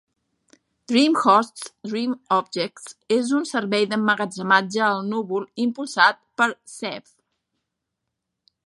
DreamHost's DreamObjects és un servei d'emmagatzematge al núvol impulsat per Ceph.